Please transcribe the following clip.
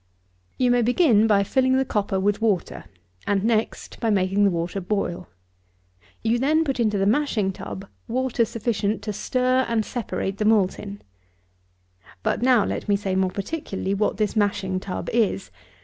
43. You begin by filling the copper with water, and next by making the water boil. You then put into the mashing tub water sufficient to stir and separate the malt in. But now let me say more particularly what this mashing tub is.